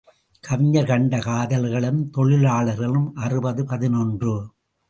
கவிஞர் கண்ட காதலர்களும் தொழிலாளர்களும் அறுபது பதினொன்று .